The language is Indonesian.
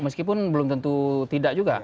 meskipun belum tentu tidak juga